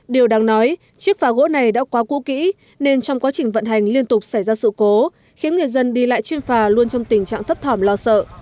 điều đáng nói chiếc phà gỗ này đã quá cũ kỹ nên trong quá trình vận hành liên tục xảy ra sự cố khiến người dân đi lại trên phà luôn trong tình trạng thấp thỏm lo sợ